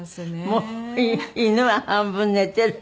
もう犬は半分寝てる。